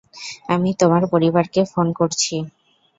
আমি তোমার পরিবারকে ফোন করছি।